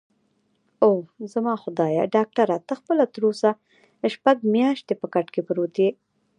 اووه، زما خدایه، ډاکټره ته خپله تراوسه شپږ میاشتې په کټ کې پروت یې؟